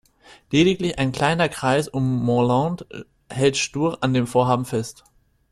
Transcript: Lediglich ein kleiner Kreis um Moreland hält stur an dem Vorhaben fest.